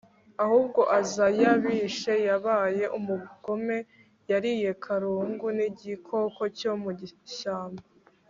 ahubwo aza yabishe yabaye umugome, yariye karungu nk'igikoko cyo mu ishyamba